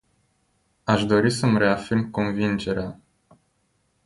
Aș dori să îmi reafirm convingerea.